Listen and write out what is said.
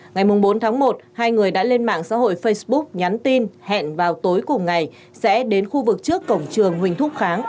ngày bốn tháng một hai người đã lên mạng xã hội facebook nhắn tin hẹn vào tối cùng ngày sẽ đến khu vực trước cổng trường huỳnh thúc kháng